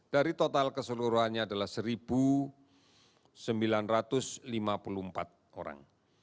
dari total keseluruhannya adalah satu sembilan ratus lima puluh empat orang